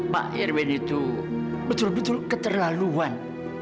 pak irwin itu betul betul keterlaluan